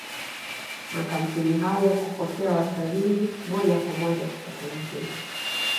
makampuni hayo hupokea watalii moja kwa moja kutoka nje